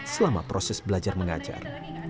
selama proses belajar mengajar